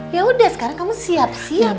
yaudah sekarang kamu siap siap